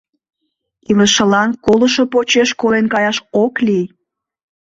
Илышылан колышо почеш колен каяш ок лий.